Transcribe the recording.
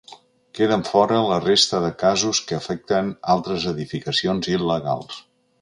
Queden fora la resta de casos que afecten altres edificacions il·legals.